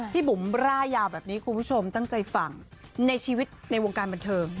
บุ๋มร่ายยาวแบบนี้คุณผู้ชมตั้งใจฟังในชีวิตในวงการบันเทิง